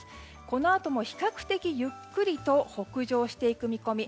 このあとも比較的ゆっくりと北上していく見込み。